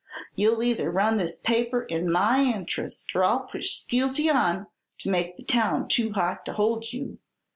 You'll either run this paper in my interest or I'll push Skeelty on to make the town too hot to hold you.